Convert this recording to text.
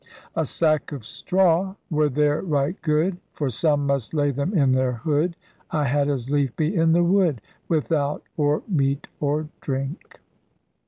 A sack of straw were there right good; For some must lay them in their hood: I had as lief be in the wood, Without or meat or drink